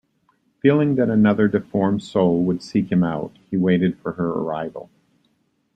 Feeling that another deformed soul would seek him out, he waited for her arrival.